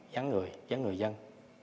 vắng người dân